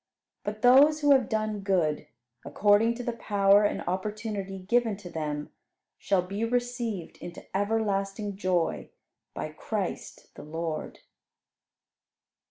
But those who have done good, according to the power and opportunity given to them, shall be received into everlasting joy by Christ the Lord.